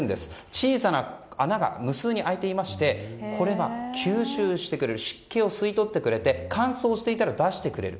小さな穴が無数に開いていましてこれが吸収してくれる湿気を吸い取ってくれて乾燥していたら出してくれる。